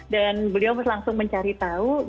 dan beliau langsung mencari tahu